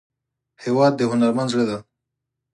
هېواد د هنرمند زړه دی.